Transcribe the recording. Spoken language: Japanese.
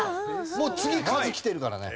もう次カズきてるからね。